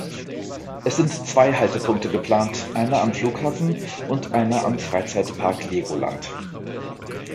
Es sind zwei Haltepunkte geplant, einer am Flughafen und einer am Freizeitpark Legoland.